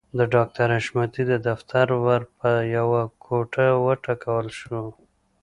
د ډاکټر حشمتي د دفتر ور په يوه ګوته وټکول شو.